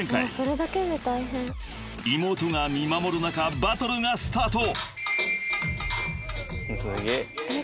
［妹が見守る中バトルがスタート］